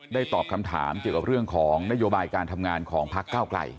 ตอบคำถามเกี่ยวกับเรื่องของนโยบายการทำงานของพักเก้าไกล